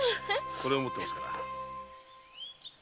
これを持ってますから。